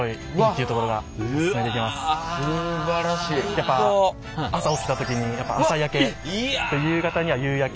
やっぱ朝起きた時にやっぱ朝焼けと夕方には夕焼け。